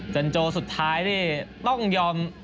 โจสุดท้ายนี่ต้องยอม